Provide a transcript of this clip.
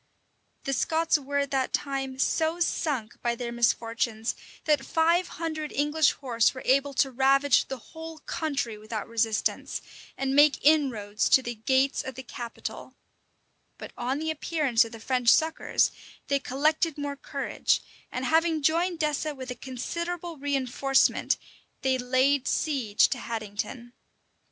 The Scots were at that time so sunk by their misfortunes, that five hundred English horse were able to ravage the whole country without resistance, and make inroads to the gates of the capital:[*] but on the appearance of the French succors, they collected more courage; and having joined Dessé with a considerable reënforcement, they laid siege to Haddington.